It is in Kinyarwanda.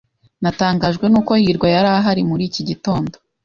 Natangajwe nuko hirwa yari ahari muri iki gitondo.